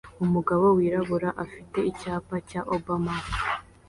Umugabo wirabura afite icyapa cya Obama